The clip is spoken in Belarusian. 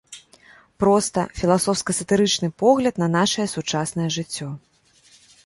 Проста, філасофска-сатырычны погляд на нашае сучаснае жыццё.